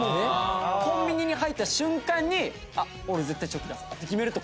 コンビニに入った瞬間に俺絶対チョキ出そうって決めると勝てるの。